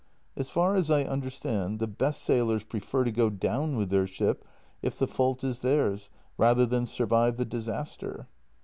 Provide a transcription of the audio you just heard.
As far as I understand, the best sailors prefer to go down with their ship if the fault is theirs, rather than survive the dis aster."